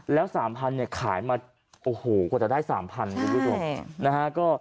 แล้ว๓๐๐เนี่ยขายมาโอ้โหกว่าจะได้๓๐๐คุณผู้ชมนะฮะ